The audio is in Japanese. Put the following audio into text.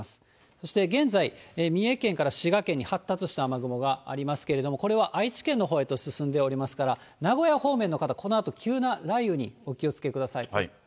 そして現在、三重県から滋賀県に発達した雨雲がありますけれども、これは愛知県のほうへと進んでおりますから、名古屋方面の方、このあと、急な雷雨にお気をつけください。